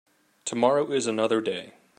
Tomorrow is another day.